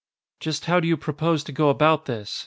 "Just how do you propose to go about this?"